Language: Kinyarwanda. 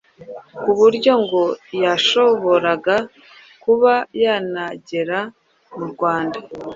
ku buryo ngo yashoboraga kuba yanagera mu Rwanda